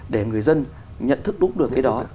để người dân nhận thức đúng được cái đó